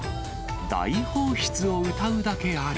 大放出をうたうだけあり。